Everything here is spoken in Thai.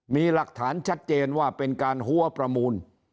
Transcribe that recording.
มีหลักฐานชัดเจนว่าเป็นการหัวประมูล